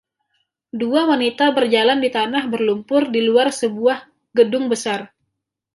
Dua wanita berjalan di tanah berlumpur di luar sebuah gedung besar.